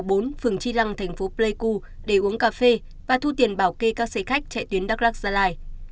phường chi lăng tp pleiku để uống cà phê và thu tiền bảo kê các xe khách chạy tuyến đắk lắc gia lai